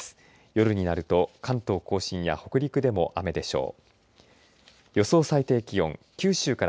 夜になると関東甲信や北陸でも雨でしょう。